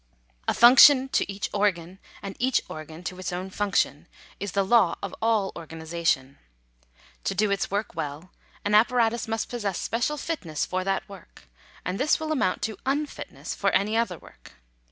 § I A function to each organ, and each organ to its own function, is the law of all organization. To do its work well, an appa ratus must possess special fitness for that work ; and this will amount to unfitness for any other work.